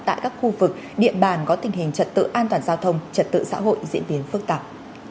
tại các khu vực địa bàn có tình hình trật tự an toàn giao thông trật tự xã hội diễn biến phức tạp